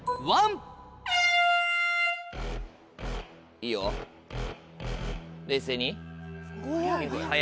いいよ冷静に。